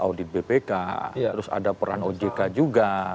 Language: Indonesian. audit bpk terus ada peran ojk juga